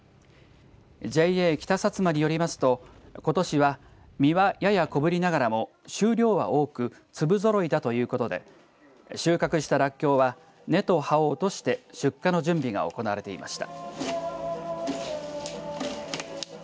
ＪＡ北さつまによりますとことしは実はやや小ぶりながらも収量は多く粒ぞろいだということで収穫したらっきょうは根と葉を落として出荷の準備が行われていました。